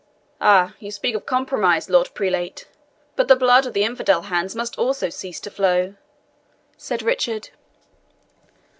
"Ah, you speak of compromise, Lord Prelate; but the blood of the infidel hounds must also cease to flow," said Richard.